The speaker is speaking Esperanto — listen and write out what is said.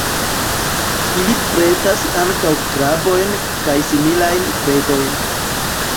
Ili predas ankaŭ krabojn kaj similajn predojn.